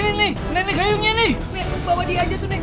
nenek bawadih aja tuh nek